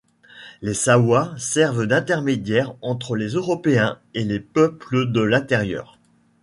Les Sawa servent d’intermédiaires entre les Européens et les peuples de l'intérieur.